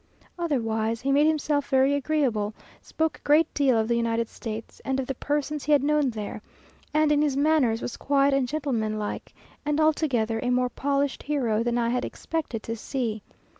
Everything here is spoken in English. Otherwise, he made himself very agreeable, spoke a great deal of the United States, and of the persons he had known there, and in his manners was quiet and gentlemanlike, and altogether a more polished hero than I had expected to see.